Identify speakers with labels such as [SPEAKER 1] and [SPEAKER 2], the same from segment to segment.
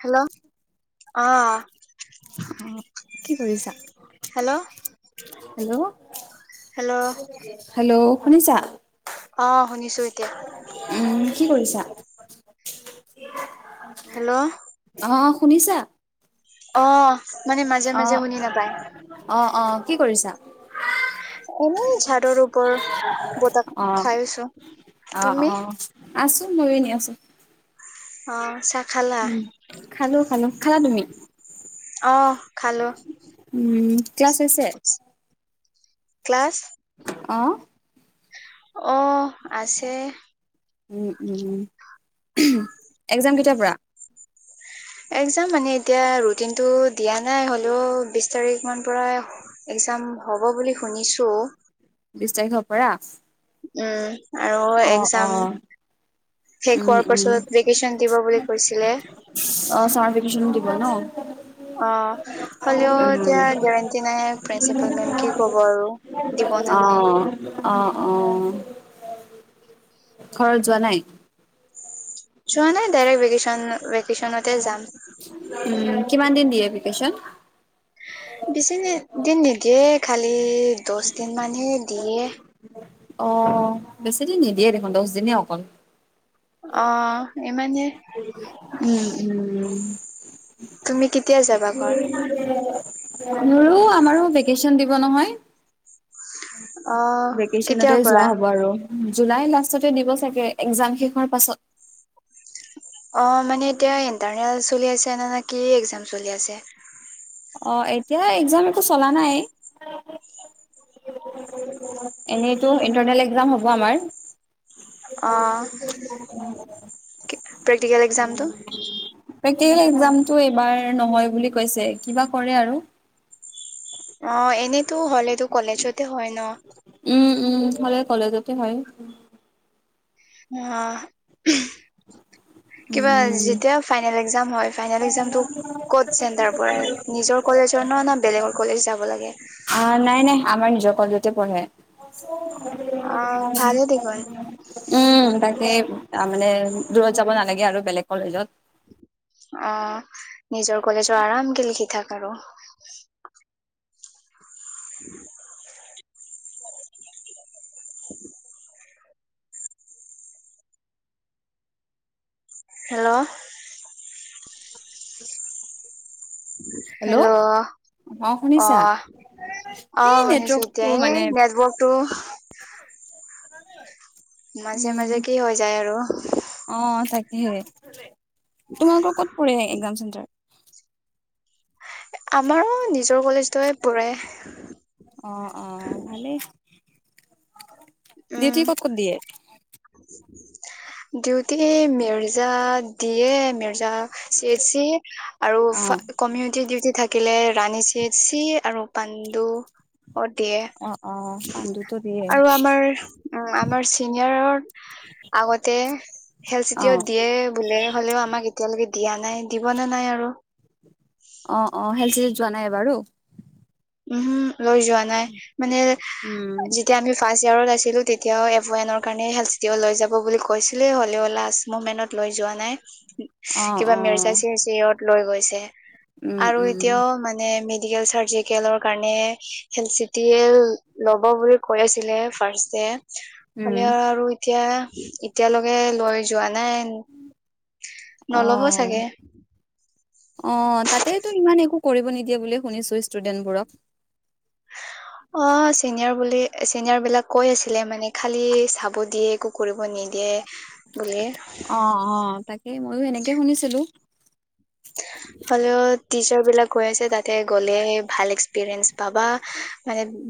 [SPEAKER 1] Hello! আহ।
[SPEAKER 2] কি কৰিছা?
[SPEAKER 1] হেল্ল'!
[SPEAKER 2] হেল্ল'!
[SPEAKER 1] Hello
[SPEAKER 2] hello! শুনিছা?
[SPEAKER 1] অ শুনিছোঁ এতিয়া।
[SPEAKER 2] উম কি কৰিছা,
[SPEAKER 1] হেল্ল'
[SPEAKER 2] অহ। শুনিছা?
[SPEAKER 1] অ। মানে মাজে
[SPEAKER 2] অ
[SPEAKER 1] মাজে শুনি নাপায়
[SPEAKER 2] অ অ কি কৰিছা?
[SPEAKER 1] এনে ঝাৰৰ ওপৰত বতাহ
[SPEAKER 2] অ'
[SPEAKER 1] খাইছো।
[SPEAKER 2] অ অ আছো মই এনেই আছোঁ।
[SPEAKER 1] অ চাক
[SPEAKER 2] উম খালোঁ খালোঁ, খালা তুমি?
[SPEAKER 1] অ খালোঁ।
[SPEAKER 2] উম ক্লাচ হৈছে?
[SPEAKER 1] ক্লাছ?
[SPEAKER 2] অহ।
[SPEAKER 1] অ আছে।
[SPEAKER 2] উম উম উম এক্সাম কেতিয়াৰ পৰা?
[SPEAKER 1] এক্সাম মানে এতিয়া ৰুটিনটো দিয়া নাই হলেও বিশ তাৰিখ মান পৰা এক জাম হ'ব বুলি শুনিছো।
[SPEAKER 2] বিশ তাৰিখৰ পৰা?
[SPEAKER 1] উম আৰু
[SPEAKER 2] অ'
[SPEAKER 1] এক্সাম
[SPEAKER 2] অ' উম! উম!
[SPEAKER 1] বুলি কৈছিলে
[SPEAKER 2] অ, চামাৰ ভেকেচন ব ন।
[SPEAKER 1] অ, হলেও
[SPEAKER 2] উম
[SPEAKER 1] এতিয়া গেৰেণ্টি নাই প্ৰিঞ্চিপাল মেম কি ক'ব আৰু। দি
[SPEAKER 2] অ অ অ। ঘৰত যোৱা নাই?
[SPEAKER 1] চোৱা নাই ডাইৰেক্ট ভেকেচন। ভেকেচনতে যাম
[SPEAKER 2] উম কিমান দিন দিয়ে ভেকেচন?
[SPEAKER 1] বিছদিন নিদিয়ে খালি দহ দিন মানহে দিয়ে।
[SPEAKER 2] অ বেছিদিন নিদিয়ে দেখোন দছ দিনে হে অকল।
[SPEAKER 1] অ ইমানে।
[SPEAKER 2] উম উম উম
[SPEAKER 1] তুমি কেতিয়া যাবা ঘৰ।
[SPEAKER 2] মোৰো আমাৰো ভেকেশচন দিব নহয়।
[SPEAKER 1] অ
[SPEAKER 2] ভেকেশচনতে
[SPEAKER 1] কেতিয়াৰ
[SPEAKER 2] যোৱা
[SPEAKER 1] পৰা
[SPEAKER 2] হ'ব আৰু। জুলাই লাষ্টতে দিব চাগে এক্সাম শেষ হোৱাৰ পাছত।
[SPEAKER 1] অ মানে এতিয়া ইণ্টাৰনেল চলি আছে না কি এক্সাম চলি আছে।
[SPEAKER 2] অ এতিয়া একজাম একো চলা নাই। এনেইতো ইণ্টাৰনেল একজাম হ'ব আমাৰ।
[SPEAKER 1] অ প্ৰেক্টিকেল এক্জামটো
[SPEAKER 2] [unintelligible] টি একজামটো এইবাৰ নহয় বুলি কৈছে কিবা কৰে আৰু।
[SPEAKER 1] অঁ এনেইতো হ'লে টো কলেজতে হয় ন'।
[SPEAKER 2] উম উম হ'লে কলেজতে হয়।
[SPEAKER 1] অঁ কিবা
[SPEAKER 2] উম,
[SPEAKER 1] যেতিয়া ফাইনেল একজাম- হয় ফাইনেল একজামটো ক'ত চেন্তাৰ পৰে নিজৰ কলেজৰ নে বেলেগৰ কলেজ যাব লাগে?
[SPEAKER 2] অ নাই নাই আমাৰ নিজৰ কলেজতে পঢ়ে।
[SPEAKER 1] অ ভালে দেখোন
[SPEAKER 2] উম' তাকেই। তাৰমানে দূৰত যাব নালাগে আৰু বেলেগ কলেজত।
[SPEAKER 1] অঁ নিজৰ কলেজত আৰামকে লিখি থাক আৰু। [unintelligible] [unintelligible] হেল্ল' হেল্ল'
[SPEAKER 2] অ', শুনিছা? এই
[SPEAKER 1] অঁ শুনিছো
[SPEAKER 2] নেটৱৰ্কটো
[SPEAKER 1] এতিয়া
[SPEAKER 2] মানে
[SPEAKER 1] এই নেটৱৰ্কটো-
[SPEAKER 2] [unintelligible]
[SPEAKER 1] মাজে
[SPEAKER 2] উম,
[SPEAKER 1] মাজে কি হৈ যায় আৰু।
[SPEAKER 2] অ', তোমালোকৰ ক'ত পৰে একজাম চেণ্টাৰ?
[SPEAKER 1] আমাৰো নিজৰ কলেজতে পৰে।
[SPEAKER 2] অ', অ', ভালেই। ডিউটি
[SPEAKER 1] উম
[SPEAKER 2] ক'ত ক'ত দিয়ে?
[SPEAKER 1] Duty Mirza- D A Mirza, C H C আৰু
[SPEAKER 2] অ',
[SPEAKER 1] কমিউনিটি ডিউটি- থাকিলে ৰানি চি এছ চি আৰু- পাণ্ডু অ দিয়ে।
[SPEAKER 2] অ', অ', পাণ্ডুতো দিয়ে।
[SPEAKER 1] আৰু আমাৰ- আমাৰ চিনিয়ৰৰ- আগতে খেল চিতি
[SPEAKER 2] অ',
[SPEAKER 1] অত দিয়ে বোলে হ'লেও আমাক এতিয়ালৈকে- দিয়া নাই দিব নে নাই আৰু।
[SPEAKER 2] অঁ অঁ সেলচিটি যোৱা নাই এবাৰু?
[SPEAKER 1] উম হো লৈ যোৱা নাই। মানে
[SPEAKER 2] উম,
[SPEAKER 1] যেতিয়া আমি ফাৰ্ষ্ট- ইয়াৰত আছিলো তেতিয়াও এপয়নৰ কাৰণে হেল চিটি অ লৈ যাব বুলি কৈছিলে হ'লেও লাষ্ট মমেণ্টত লৈ যোৱা- নাই।
[SPEAKER 2] অ',
[SPEAKER 1] কিবা মিৰ্জা
[SPEAKER 2] অ',
[SPEAKER 1] চিৰ চি অত- লৈ গৈছে।
[SPEAKER 2] উম,
[SPEAKER 1] আৰু
[SPEAKER 2] উম,
[SPEAKER 1] এতিয়াও মানে মেডিকেল চাৰ্জাৰী- কেলৰ কাৰণে হেলড চি টি এ ল'ব বুলি কৈ আছিলে ফাৰ্ষ্টে।
[SPEAKER 2] উম,
[SPEAKER 1] হলেও আৰু এতিয়া এতিয়ালৈকে লৈ যোৱা নাই। নল'ব চাগে।
[SPEAKER 2] অঁ তাতে টো ইমান একো কৰিব নিদিয়ে বুলিয়ে শুনিছো ষ্টুডেন্টবোৰক?
[SPEAKER 1] অঁ চিনিয়ৰ বুলি চিনিয়ৰ বিলাক কৈ আছিলে মানে খালি চাব দিয়ে একো কৰিব নিদিয়ে বুলি।
[SPEAKER 2] অ', অ', তাকে ময়ো সেনেকে শুনিছিলো। [unintelligible]
[SPEAKER 1] হলেও টিচাৰ বিলাকে কৈ আছে তা'তে গ'লে ভাল এক্সপিৰিয়েন্ঞ্চ পাবা।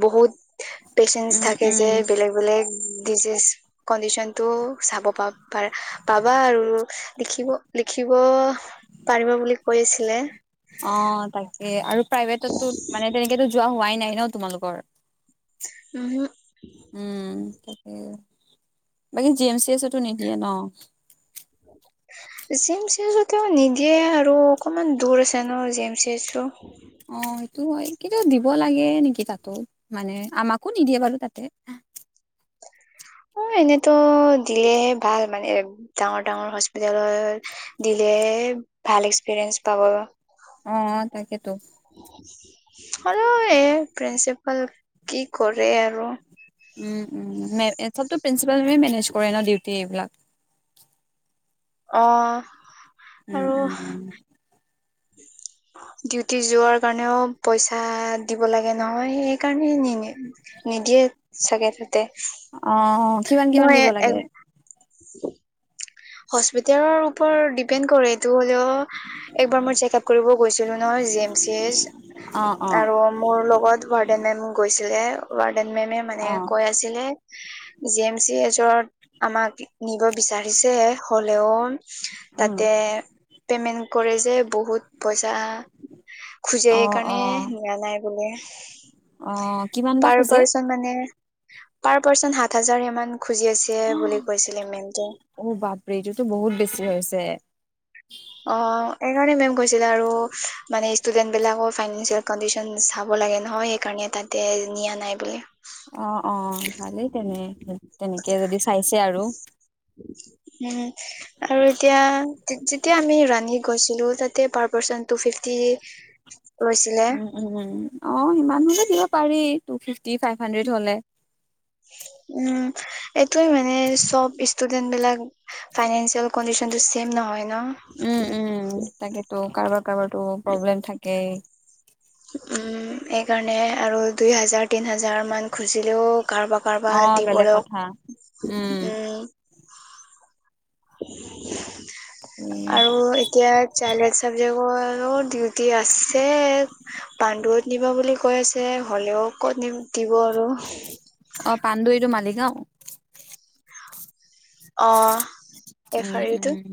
[SPEAKER 1] বহুত পেচেঞ্চ
[SPEAKER 2] উম,
[SPEAKER 1] থাকে যে
[SPEAKER 2] উম,
[SPEAKER 1] বেলেগ বেলেগ। ডিজিজ কণ্ডিশনতটো চাব পাবা আৰু দেখিব। দেখিব। পাৰিব বুলি কৈ আছিলে।
[SPEAKER 2] অঁ তাকে। আৰু প্ৰাইভেটতো মানে তেনেকে টো যোৱা হোৱাই নাই ন' তোমালোকৰ। উম' তাকেই। মানে জি এম চি ছুটি নিদিয়ে ন'?
[SPEAKER 1] জিম এম চি ছটি নিদিয়ে আৰু অকণমান দূৰ আছে ন' জিম এম চি টো।
[SPEAKER 2] অ সেইটো হয় ।কিন্তু দিব লাগে নেকি তাতো মানে আমাকো নিদিয়ে বাৰু তাতে [inaudible]
[SPEAKER 1] অ এনেতো দিলেহে ভাল মানে ডাঙৰ ডাঙৰ হস্পিতেলত ।দিলে ভাল এক্সপিৰিয়েঞ্চ পাব।
[SPEAKER 2] অ তাকেতো
[SPEAKER 1] আৰু এ প্ৰিন্সিপাল কি কৰে আৰু
[SPEAKER 2] উম উম চবতো প্ৰিন্ঞ্চিপালে মেনেজ কৰে ন ডিউটি এইবিলাক।
[SPEAKER 1] অ
[SPEAKER 2] উম
[SPEAKER 1] আৰু
[SPEAKER 2] উম উম।
[SPEAKER 1] ডিউটি যোৱাৰ কাৰণেও পইচা দিব লাগে নহয়। সেইকাৰণে নি নিদিয়ে চাগে সেয়ে।
[SPEAKER 2] অ কিমান কিমান দিব লাগে?
[SPEAKER 1] হস্পিতেলৰ ওপৰত ডিপেণ্ড কৰে। এইটো হ'লেও একবাৰ মই চেক আপ কৰিব গৈছিলো ন জি এম চি
[SPEAKER 2] অ অ
[SPEAKER 1] আৰু মোৰ লগত ভাৰডেনেন গৈছ ৱাৰ্ডন মেমে
[SPEAKER 2] অ
[SPEAKER 1] মানে কৈ আছিলে। জি এম চি এজত আমাক নিব বিচাৰিছে হলেও
[SPEAKER 2] উম
[SPEAKER 1] তাতে পেমেন্ট কৰে যে বহুত পইচা খোজে
[SPEAKER 2] অ অ
[SPEAKER 1] এইকাৰণে নিয়া নাই বুলি।
[SPEAKER 2] অ কিমান বা
[SPEAKER 1] বাৰ
[SPEAKER 2] খোজে
[SPEAKER 1] পাৰ্চন মানে পাৰ পাৰ্চন সাত হাজাৰ সিমান খুজি আছে বুলি কৈছিলে মেমটো।
[SPEAKER 2] ফ্ৰিজোটো বহুত বেছি হৈছে।
[SPEAKER 1] অ এইকাৰণে মেম কৈছিলে আৰু মানে ষ্টুডেন্টবিলাকৰো ফাইনেসিয়েল কণ্ডিচন চাব লাগে নহয়। সেইকাৰণে তাতে নিয়া নাই বুলি।
[SPEAKER 2] অ অ ভালেই তেনে তেনেকে যদি চাইছে আৰু।
[SPEAKER 1] উম আৰু এতিয়া তেতিয়া আমি ৰানী গৈছিলো তাতে পাৰ পাৰ্চন টু ফিফটি লৈছিলে।
[SPEAKER 2] উম, উম, উম। অ সিমান হলে দিব পাৰি টু ফিফটি ফাইভ হানদেড হলে।
[SPEAKER 1] উম এইটোয়ে মানে চব ষ্টুডেন্ট বিলাক ফাইনেঞ্চিয়েল কণ্ডিচনটো চেইম নহয়।
[SPEAKER 2] উম উম তাকেতো কাৰোবাৰ কাৰোবাৰতো প্ৰব্লেম থাকে।
[SPEAKER 1] উম এইকাৰণে আৰু দুই হাজাৰ তিন হাজাৰ মান খুজিলেও কাৰোবাৰ
[SPEAKER 2] অ,
[SPEAKER 1] কাৰোবাৰ
[SPEAKER 2] বেলেগ
[SPEAKER 1] দিবলৈ
[SPEAKER 2] কথা। উম,
[SPEAKER 1] উ [inaudible] আৰু এতিয়া চাইল্ডড চাবজেকৰো ডিউটি আছে।
[SPEAKER 2] [inaudible]
[SPEAKER 1] পাণ্ডুত নিব বুলি কৈ আছে হলেও ক'ত নি দিব আৰু
[SPEAKER 2] অ পাণ্ডু ইটো মালিগাঁও
[SPEAKER 1] অ এফ
[SPEAKER 2] উম
[SPEAKER 1] আৰ ইউটো
[SPEAKER 2] উম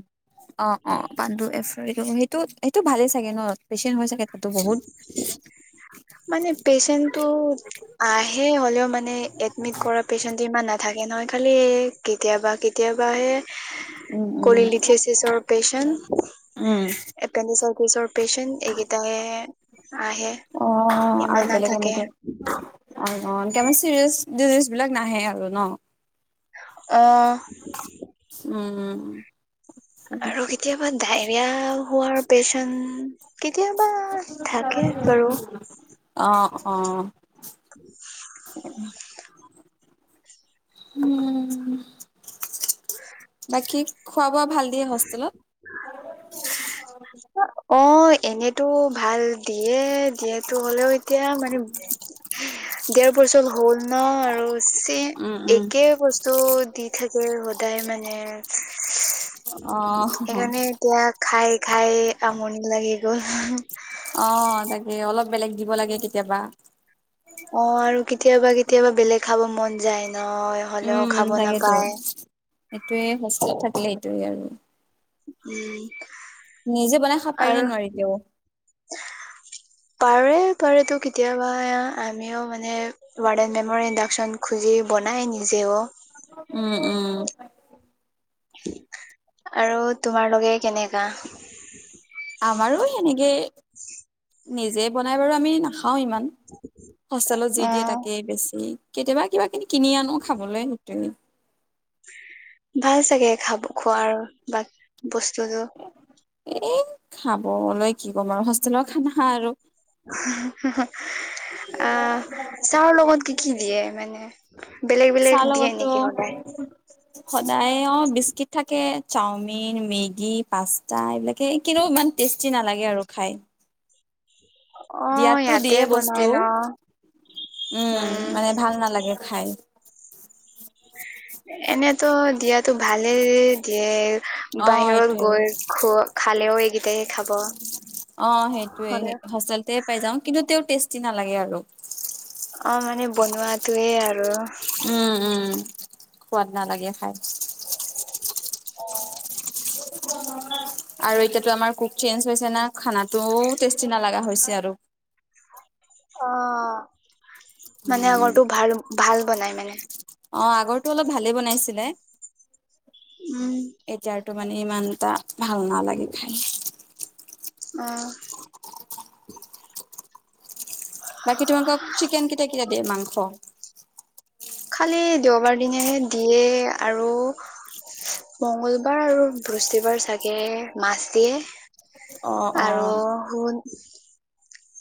[SPEAKER 2] অ অ পাণ্ডু এক্স সেইটো সেইটো ভালে চাগে ন পেচেণ্ট হৈ চাগে তাতো বহুত।
[SPEAKER 1] মানে পেচেন্টটো আহে হ'লেও মানে এডমিট কৰা পেচেন্টটো ইমান নাথাকে ন নহয় খালি কেতিয়াবা কেতিয়াবা হে
[SPEAKER 2] উম, উম।
[SPEAKER 1] কলিলিঠেলছৰ পেচেণ্ট,
[SPEAKER 2] উম,
[SPEAKER 1] এপেণ্ডিক্স চ পেচেণ্ট এইকেইটা হে আহে।
[SPEAKER 2] অ, আৰু
[SPEAKER 1] ইমান
[SPEAKER 2] বেলেগ
[SPEAKER 1] নাথাকে।
[SPEAKER 2] এনেকে অ অ চিৰিয়াচ ডিজিজ বিলাক নাহে আৰু ন।
[SPEAKER 1] আহ
[SPEAKER 2] উম উম
[SPEAKER 1] আৰু কেতিয়াবা ডায়ৰিয়া হোৱাৰ পেচেণ্ট কেতিয়াবা থাকে বাৰু ।
[SPEAKER 2] অ অ। বাকী খোৱা বোৱা ভাল দিয়ে হষ্টেলত?
[SPEAKER 1] অ', এনেতো ভাল দিয়ে দিয়েটো, হ'লেও এতিয়া মানে দেৰ বছৰ হ'ল ন আৰু চ
[SPEAKER 2] উম উম
[SPEAKER 1] একে বস্তু দি থাক - সদায় মানে ।
[SPEAKER 2] অ
[SPEAKER 1] সেইকাৰণে এতিয়া খাই খাই আমনি লাগি গ'ল ।
[SPEAKER 2] অ তাকে অলপ বেলেগ দিব লাগে কেতিয়াবা ।
[SPEAKER 1] অ আৰু কেতিয়াবা কেতিয়াবা বেলেগ খাব মন যায় ন হলেও খাব নাপায়।
[SPEAKER 2] সেইটোৱে হোষ্টেলত থাকিলে এইটোৱে আৰু ।
[SPEAKER 1] উম।
[SPEAKER 2] নিজে বনাই খাব পাৰি
[SPEAKER 1] আৰু
[SPEAKER 2] ন নোৱাৰি তেওঁ?
[SPEAKER 1] পাৰে পাৰে ত কেতিয়াবা আমিও মানে ৱাৰ্দেন মেমৰ ইডাকচন খুজি বনাই নিজেও ।
[SPEAKER 2] উম উম।
[SPEAKER 1] আৰু তোমাৰ লগে কেনেকা
[SPEAKER 2] এনেকে নিজে বনাই বাৰু আমি না - খাওঁ ইমান, হোষ্টেলত যি
[SPEAKER 1] অ
[SPEAKER 2] দিয়ে তাকে বেছি কেতিয়াবা কিবা কি- কিনি আনো খাবলৈ সেইটো।
[SPEAKER 1] ভাল চাগে খাব খোৱাৰ বা বস্তুতো ।
[SPEAKER 2] এ খাবলৈ কি ক'ম আৰু হোষ্টেলৰ খানা আৰু ।
[SPEAKER 1] আহ চাহৰ লগত কি কি দিয়ে মানে? বেলেগ বেলেগ
[SPEAKER 2] চাহ
[SPEAKER 1] দিয়ে
[SPEAKER 2] লগতো
[SPEAKER 1] নেকি সদায়
[SPEAKER 2] সদায় অ বিস্কিট থাকে, চাওমিন, মেগী, পাস্তা, এইবিলাকে কিন্ত ইমান টেষ্টি নালাগে আৰু খাই।
[SPEAKER 1] অ
[SPEAKER 2] দিয়াতো
[SPEAKER 1] ইয়াতে
[SPEAKER 2] দিয়ে বস্তু
[SPEAKER 1] বনাই ন
[SPEAKER 2] । উম মানে ভাল নালাগে খাই ।
[SPEAKER 1] তো দিয়াত তো ভালে দিয়ে
[SPEAKER 2] অ
[SPEAKER 1] বাহিৰত
[SPEAKER 2] সেইটোয়ে
[SPEAKER 1] গৈ খ খালেও এইকেইতাই খাব ।
[SPEAKER 2] অ সেইটোৱে হোষ্টেলতে পাই যাওঁ । কিন্তু তে টেষ্টি নালাগে আৰু।
[SPEAKER 1] অ মানে বনোৱাটোৱে আৰু।
[SPEAKER 2] উম উম সোৱাদ নালাগে খাই ।
[SPEAKER 1] অ।
[SPEAKER 2] উম। আৰু এতিয়াতো আমাৰ কুক চেঞ্জ হৈছে না, খানাটো টেষ্টি নালাগা হৈছে আৰু ।
[SPEAKER 1] অ মানে
[SPEAKER 2] উম
[SPEAKER 1] আগৰটো ভাল ভাল বনাই মানে?
[SPEAKER 2] অ আগৰটো অলপ ভালে বনাইছিলে ।
[SPEAKER 1] উম
[SPEAKER 2] এতিয়াৰতো মানে ইমানটা ভাল নালাগে খাই।
[SPEAKER 1] অহ ।
[SPEAKER 2] বাকী তোমালোকক চিকেন কেতিয়া কেতিয়া দিয়ে মাংস?
[SPEAKER 1] খালি দেওবাৰ দিনহে দিয়ে আৰু। মঙ্গলবাৰ আৰু বৃহস্পতিবাৰ চাগে মাছ দিয়ে।
[SPEAKER 2] অ অ
[SPEAKER 1] আৰু শু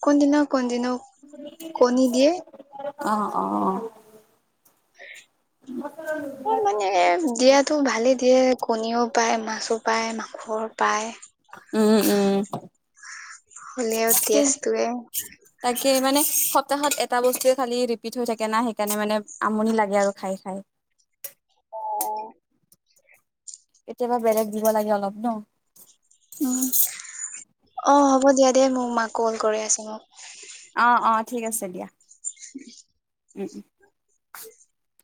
[SPEAKER 1] কোনদিনা কোন দিনো
[SPEAKER 2] অ অ অ।
[SPEAKER 1] মানে দিয়া - টো ভালেই দিয়ে, কণীও পায়, মাছো পায়, মাংসৰ পায়।
[SPEAKER 2] উম উম ।
[SPEAKER 1] হলেও টেষ্টটোৱে,
[SPEAKER 2] স মানে সপ্তাহত এটা বস্তুৱে খালি ৰিপিট হৈ থাকে না, সেইকাৰণে মানে আমনি লাগে আৰু খাই খাই। [unintelligible]
[SPEAKER 1] অ
[SPEAKER 2] কেতিয়াবা বেলেগ দিব লাগে অলপ ন
[SPEAKER 1] উম অ হ'ব দিয়া দে মোৰ মাক কল কৰি আছে মোক
[SPEAKER 2] অ অ ঠিক আছে দিয়া
[SPEAKER 1] [unintelligible]
[SPEAKER 2] উম উম
[SPEAKER 1] [inaudible]